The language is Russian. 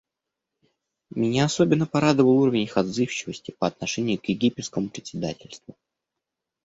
Меня особенно порадовал уровень их отзывчивости по отношению к египетскому председательству.